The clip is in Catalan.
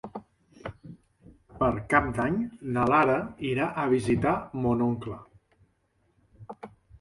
Per Cap d'Any na Lara irà a visitar mon oncle.